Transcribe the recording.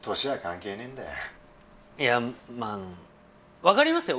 いやまあ分かりますよ